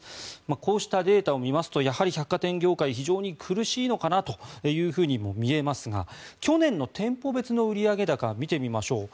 こうしたデータを見ますとやはり百貨店業界非常に苦しいのかなとも見えますが去年の店舗別の売上高を見てみましょう。